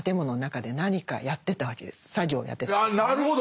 なるほど！